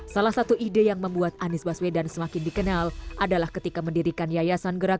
salah satu ide yang membuat anies baswedan semakin dikenal adalah ketika mendirikan yayasan gerakan